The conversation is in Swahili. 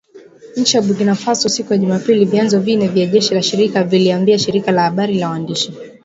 Nchini Burkina Faso siku ya Jumapili vyanzo vine vya jeshi la serikali vililiambia shirika la habari la wandishi .